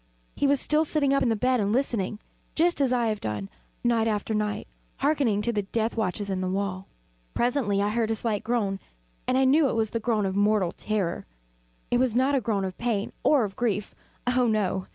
He was still sitting up in the bed listening; just as I have done, night after night, hearkening to the death watches in the wall. Presently I heard a slight groan, and I knew it was the groan of mortal terror. It was not a groan of pain or of grief oh, no!